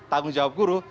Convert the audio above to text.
tanggung jawab guru